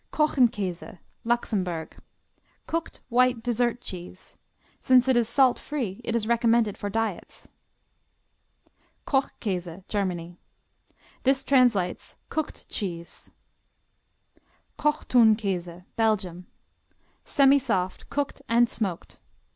Kochenkäse Luxembourg Cooked white dessert cheese. Since it is salt free it is recommended for diets. Koch Käse Germany This translates "cooked cheese." Kochtounkäse Belgium Semisoft, cooked and smoked.